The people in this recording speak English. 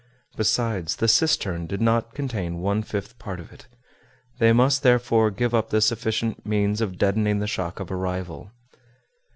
Besides, the cistern did not contain one fifth part of it; they must therefore give up this efficient means of deadening the shock of arrival.